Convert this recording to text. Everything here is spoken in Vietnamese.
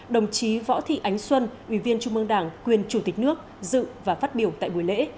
đồng chí võ thị ánh xuân ủy viên trung mương đảng quyền chủ tịch nước dự và phát biểu tại buổi lễ